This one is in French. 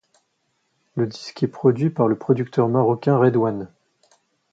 Le disque est produit par le producteur marocain RedOne.